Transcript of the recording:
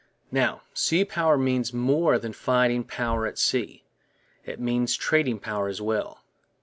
Now, sea power means more than fighting power at sea; it means trading power as well.